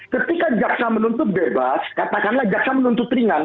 ketika jaksa menuntut bebas katakanlah jaksa menuntut ringan